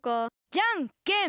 じゃんけん。